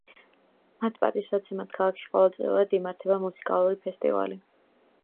მათ პატივსაცემად ქალაქში ყოველწლიურად იმართება მუსიკალური ფესტივალი.